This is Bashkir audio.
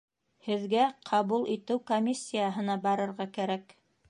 Һеҙгә ҡабул итеү комиссияһына барырға кәрәк